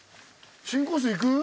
新コース行く？